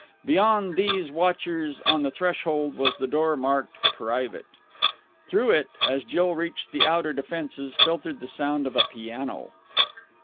Beyond these watchers on the threshold was the door marked "Private." Through it, as Jill reached the outer defences, filtered the sound of a piano.